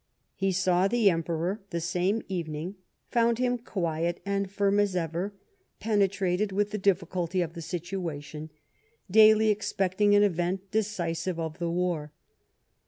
He saw the Emperor the same evening, found him "quiet and firm as ever, penetrated with the difficulty of the situation," daily expecting an event decisive of the " war."